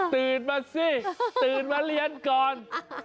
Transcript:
ตื่นมาสิตื่นมาเรียนก่อน